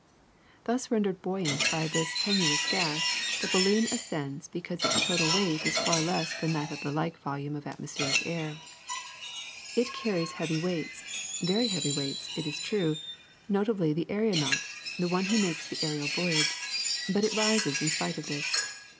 Thus ren dered buoyant by this tenuous gas, the balloon ascends because its total weight is less than that of a like volume of atmospheric air. *^It carries heavy weights, very heavy weights, it is true, notably the aeronaut, the one who makes the aerial voyage ; but it rises in spite of this.